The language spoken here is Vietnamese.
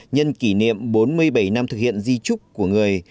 nhân kỷ niệm bốn mươi bảy năm thực hiện di trúc của người